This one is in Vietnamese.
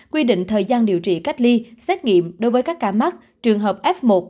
quy định thời gian điều trị cách ly xét nghiệm đối với các ca mắc trường hợp f một